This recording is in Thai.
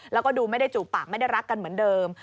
แล้วก็ดูไม่ได้จูบปากไม่ได้รักกันเหมือนเดิม